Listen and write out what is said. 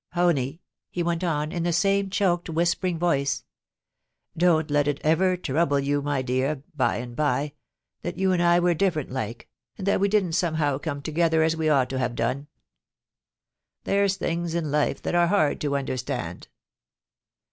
' Honie !' he went on, in the same choked, whispering voice, 'don't let it ever trouble you, my dear, by and by, that you and I were different like, and that we didn't some how come together as we ought to have done ... There's things in life that are hard to understand.